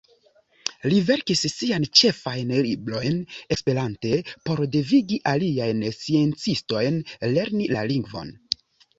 Li verkis sian ĉefajn librojn esperante por devigi aliajn sciencistojn lerni la lingvon.